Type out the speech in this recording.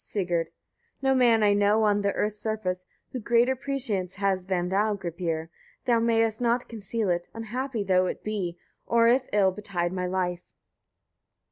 Sigurd. 22. No man I know on the earth's surface, who greater prescience has than thou, Gripir! Thou mayest not conceal it, unhappy though it be, or if ill betide my life.